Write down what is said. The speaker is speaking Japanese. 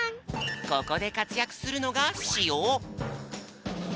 ここでかつやくするのがしお。